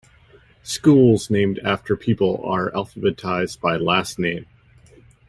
Schools named after people are alphabetized by last name.